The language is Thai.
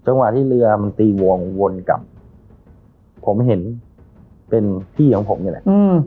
จังหวะที่เรือมันตีวงวนกลับผมเห็นเป็นพี่ของผมนี่แหละ